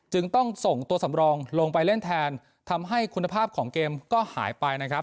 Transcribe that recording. จึงต้องส่งตัวสำรองลงไปเล่นแทนทำให้คุณภาพของเกมก็หายไปนะครับ